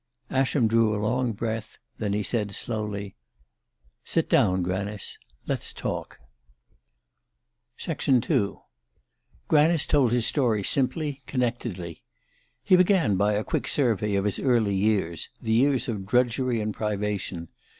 Ascham drew a long breath; then he said slowly: "Sit down, Granice. Let's talk." II GRANICE told his story simply, connectedly. He began by a quick survey of his early years the years of drudgery and privation.